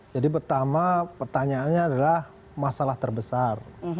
jadi pertama pertanyaannya adalah masalah terbesar